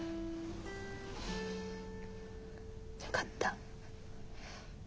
分かった。